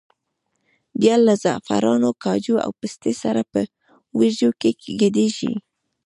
بیا له زعفرانو، کاجو او پستې سره په وریجو کې ګډېږي.